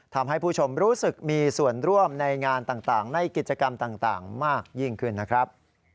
ทำให้ผู้ชมรู้สึกมีส่วนร่วมในงานต่างในกิจกรรมต่างมากยิ่งขึ้นนะครับ